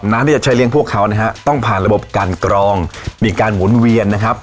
ที่จะใช้เลี้ยงพวกเขานะฮะต้องผ่านระบบการกรองมีการหมุนเวียนนะครับ